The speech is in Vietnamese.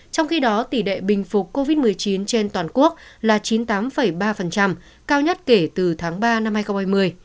trong khi đó tỷ lệ bình phục covid một mươi chín trên toàn quốc là chín mươi tám ba cao nhất kể từ tháng ba năm hai nghìn hai mươi